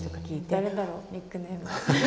誰だろうニックネーム。